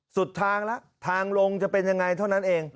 สุดทางแล้วทางลงจะเป็นยังไงเท่านั้นเอง